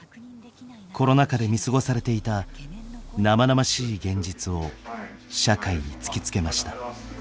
コロナ禍で見過ごされていた生々しい現実を社会に突きつけました。